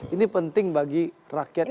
ini penting bagi rakyat